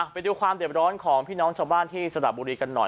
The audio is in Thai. ไปดูความเด็บร้อนของพี่น้องชาวบ้านที่สระบุรีกันหน่อย